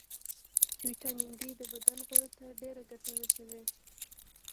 ويټامین ډي د بدن غړو ته ډېره ګټه رسوي